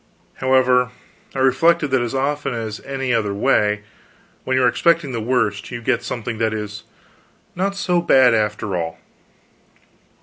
However, I reflected that as often as any other way, when you are expecting the worst, you get something that is not so bad, after all.